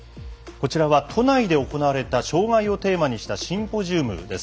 こちらは都内で行われた障がいをテーマにしたシンポジウムです。